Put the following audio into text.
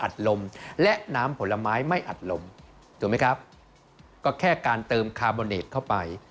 ลมและน้ำผลไม้ไม่อัดลมถูกไหมครับก็แค่การเติมคาร์โบเนตเข้าไป